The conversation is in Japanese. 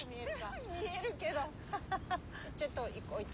見えるけどちょっと置いて。